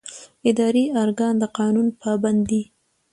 اداري ارګان د قانون پابند دی.